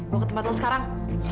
mau ke tempat lo sekarang